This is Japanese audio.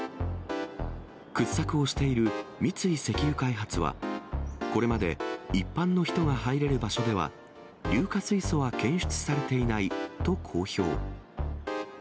掘削をしている三井石油開発は、これまで一般の人が入れる場所では硫化水素は検出されていないと公表。